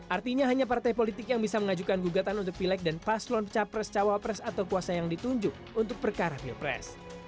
artinya hanya partai politik yang bisa mengajukan gugatan untuk pilek dan paslon capres cawapres atau kuasa yang ditunjuk untuk perkara pilpres